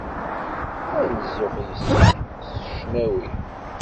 Ad nzuxx yes-k s ccnawi.